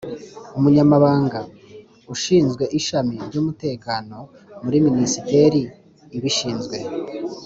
Umunyamabanga:ushinzwe ishami ry’umutekano muri ministeri ibishinzwe